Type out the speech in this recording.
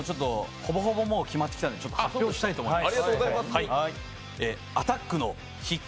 ほぼほぼ決まってきたので発表したいと思います。